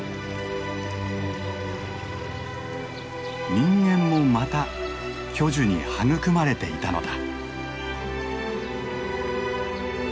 人間もまた巨樹に育まれていたのだ。